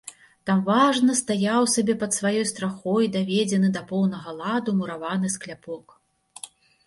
Там важна стаяў сабе пад сваёй страхой даведзены да поўнага ладу мураваны скляпок.